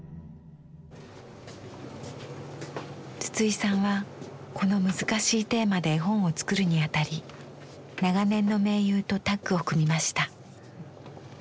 筒井さんはこの難しいテーマで絵本を作るにあたり長年の盟友とタッグを組みました。